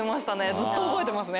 ずっと覚えてますね